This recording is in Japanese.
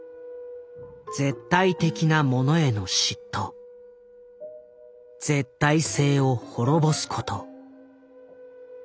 「絶対的なものへの嫉妬」「絶対性を滅ぼすこと」。